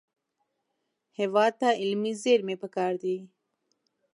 هېواد ته علمي زېرمې پکار دي